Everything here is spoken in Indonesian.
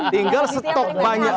tinggal setok banyak